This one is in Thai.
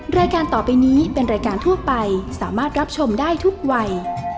รายการต่อไปนี้เป็นรายการทั่วไปสามารถรับชมได้ทุกวัย